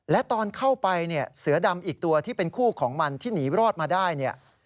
และตอนเข้าไปเนี่ยเสือดำอีกตัวที่เป็นคู่ของมันที่หนีรอดมาได้เนี่ย